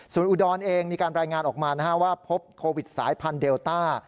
ส่วนอุดรเองมีการรายงานออกมาว่าพบโควิดสายพันธุเดลต้า